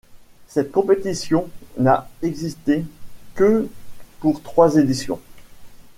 Cette compétition n'a existé que pour trois éditions.